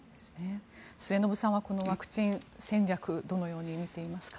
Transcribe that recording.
末延さんはこのワクチン戦略どのように見ていますか？